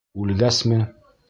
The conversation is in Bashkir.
Үлгәсме?